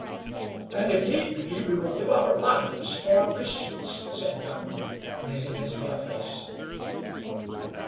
"And, if need be, we will give our lives for our Christians," said Young, raising his pale face.